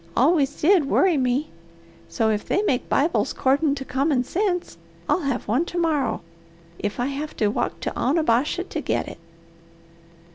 Always did worry me. So if they make Bibles 'cordin' to common sense, I'll have one to morrow if I have to walk to Onabasha to get it.